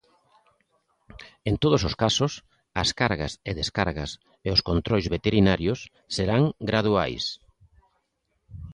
En todos os casos, as cargas e descargas e os controis veterinarios serán graduais.